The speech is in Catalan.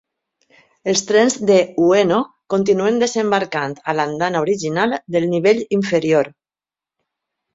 Els trens de Ueno continuen desembarcant a l'andana original del nivell inferior.